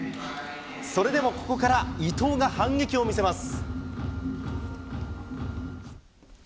それでもここから伊藤が反撃を見せます。